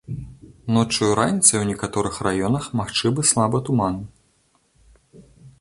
Ноччу і раніцай у некаторых раёнах магчымы слабы туман.